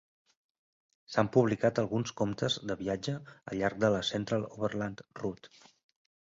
S'han publicat alguns comptes de viatge al llarg de la Central Overland Route.